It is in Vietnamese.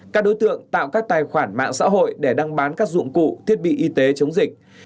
các đối tượng tạo các tài khoản mạng xã hội để đăng bán các dụng cụ thiết bị y tế chống dịch